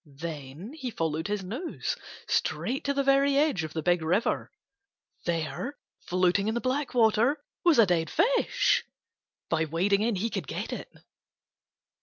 Then he followed his nose straight to the very edge of the Big River. There, floating in the black water, was a dead fish! By wading in he could get it.